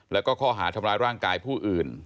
แล้วก็ข้อหาทำร้ายร่างกายผู้อื่น